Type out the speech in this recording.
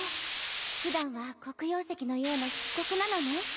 普段は黒曜石のような漆黒なのね。